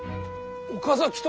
岡崎と！